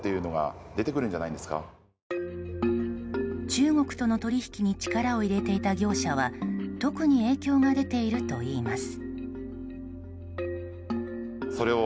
中国との取引に力を入れていた業者は特に影響が出ているといいます。